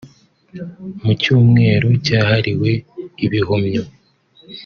Mu cyumweru cyahariwe Ibihumyo